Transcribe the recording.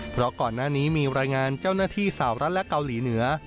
เพราะก่อนหน้านี้มีรายงานเจ้าหน้าที่สาวรัฐและเกาหลีเหนือ